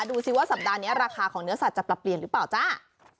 ดูสิว่าสัปดาห์นี้ราคาของเนื้อสัตว์ปรับเปลี่ยนหรือเปล่าจ้า